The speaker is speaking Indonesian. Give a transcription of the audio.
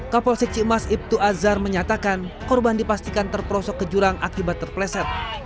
kapol sekci emas ibtu azhar menyatakan korban dipastikan terperosok ke jurang akibat terpeleset